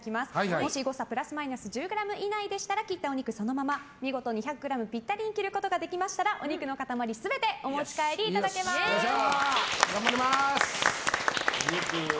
もし、誤差プラスマイナス１０ｇ以内でしたら切ったお肉をそのまま見事２００ｇピッタリに切ることができましたらお肉の塊全て頑張ります！